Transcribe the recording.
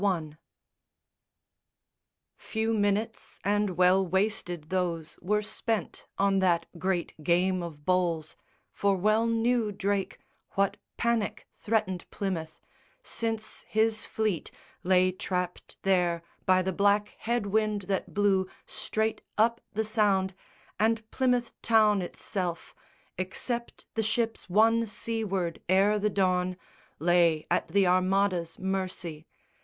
BOOK XI Few minutes, and well wasted those, were spent On that great game of bowls; for well knew Drake What panic threatened Plymouth, since his fleet Lay trapped there by the black head wind that blew Straight up the Sound, and Plymouth town itself, Except the ships won seaward ere the dawn, Lay at the Armada's mercy.